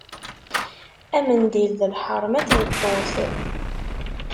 Amendil d lḥerma n tmeṭṭut.